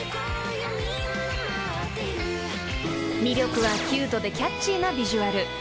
［魅力はキュートでキャッチーなビジュアル］